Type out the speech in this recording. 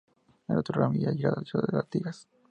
El otro ramal llega a la ciudad de Artigas.